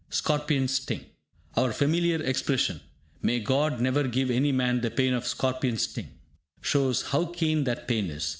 _) SCORPION STING Our familiar expression, "May God never give any man the pain of scorpion sting", shows how keen that pain is.